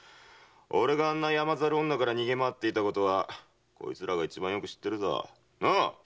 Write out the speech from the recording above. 俺があんな山猿女から逃げ回っていたことはこいつらが一番よく知ってるさ。なあ？